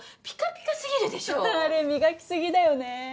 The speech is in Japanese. ピカピカすぎるでしょうあれ磨きすぎだよね